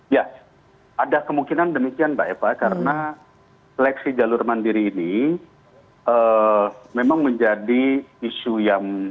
ya ada kemungkinan demikian mbak eva karena seleksi jalur mandiri ini memang menjadi isu yang